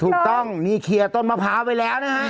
ถูกต้องมีเคลียร์ต้นมะพร้าวไปแล้วนะฮะ